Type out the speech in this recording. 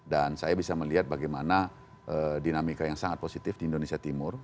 dan saya bisa melihat bagaimana dinamika yang sangat positif di indonesia timur